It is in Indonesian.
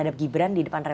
atau menangani pak bawa